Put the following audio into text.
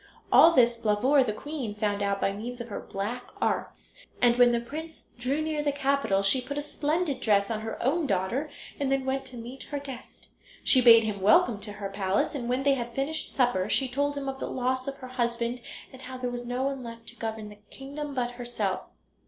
All this Blauvor, the queen, found out by means of her black arts, and when the prince drew near the capital she put a splendid dress on her own daughter and then went to meet her guest. She bade him welcome to her palace, and when they had finished supper she told him of the loss of her husband, and how there was no one left to govern the kingdom but herself.